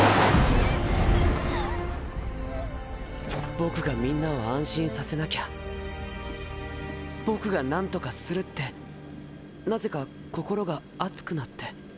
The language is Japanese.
僕がみんなを安心させなきゃ僕が何とかするってなぜか心が熱くなって。